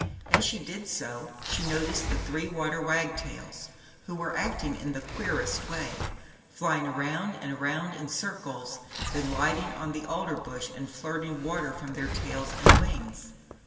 As she did so, she noticed the three water wagtails, who were acting in the queerest way, flying around and around in circles, then lighting on the alder bush, and flirting water from their tails and wings.